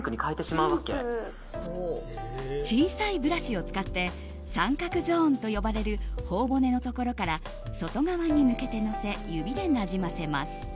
小さいブラシを使って三角ゾーンと呼ばれる頬骨のところから外側に向けてのせ指でなじませます。